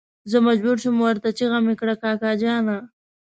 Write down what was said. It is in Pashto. زه مجبور شوم ورته چيغه مې کړه کاکا جانه.